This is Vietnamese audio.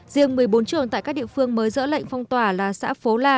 riêng một mươi bốn trường tại các địa phương mới dỡ lệnh phong tỏa là xã phố la